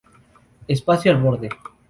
Espacio Al Borde.